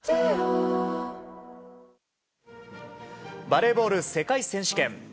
バレーボール世界選手権。